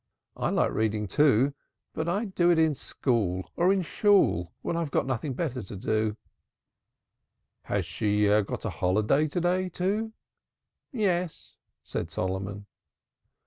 I like reading, too, but I do it in school or in Shool, where there's nothing better to do." "Has she got a holiday to day, too?" "Yes," said Solomon.